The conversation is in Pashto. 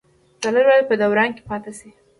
ډالر باید په دوران کې پاتې شي.